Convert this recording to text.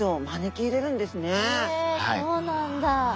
へえそうなんだ。